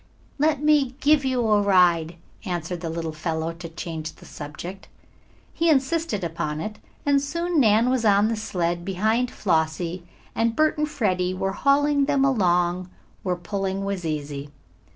"Let me give you a ride," answered the little fellow, to change the subject. He insisted upon it, and soon Nan was on the sled behind Flossie, and Bert and Freddie were hauling them along where pulling was easy.